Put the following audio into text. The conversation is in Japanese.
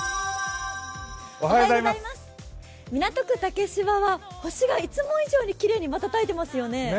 港区竹芝は星が、いつも以上にきれいに瞬いていますよね。